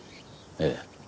ええ。